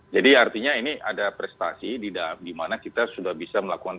jadi artinya ini ada prestasi di mana kita sudah bisa melakukan